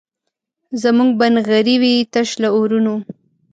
زموږ به نغري وي تش له اورونو